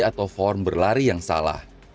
atau form berlari yang salah